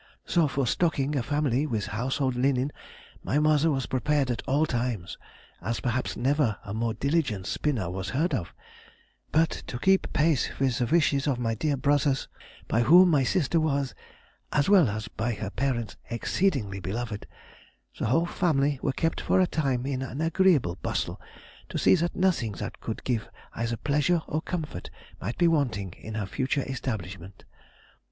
Though for stocking a family with household linen my mother was prepared at all times, as perhaps never a more diligent spinner was heard of; but to keep pace with the wishes of my dear brothers, by whom my sister was, as well as by her parents, exceedingly beloved—the whole family were kept for a time in an agreeable bustle to see that nothing that could give either pleasure or comfort might be wanting in her future establishment....